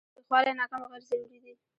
تاوتریخوالی ناکام او غیر ضروري دی.